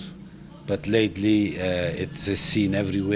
tapi kebelakangan ini terlihat di mana mana